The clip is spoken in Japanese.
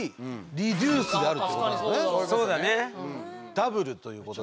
ダブルということで。